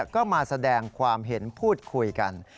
ก็มาแสดงความเห็นพูดคุยกัน